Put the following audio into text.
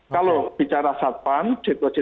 kalau bicara satpan situasi